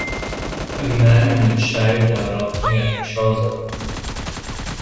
A man and a child are laughing at each other.